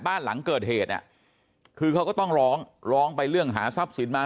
บ้านหลังเกิดเหตุคือเขาก็ต้องร้องร้องไปเรื่องหาทรัพย์สินมา